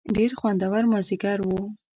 ډېر خوندور مازیګر و.